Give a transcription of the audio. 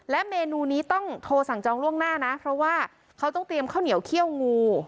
เมนูนี้ต้องโทรสั่งจองล่วงหน้านะเพราะว่าเขาต้องเตรียมข้าวเหนียวเขี้ยวงู